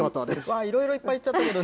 いろいろいっぱい言っちゃったけど。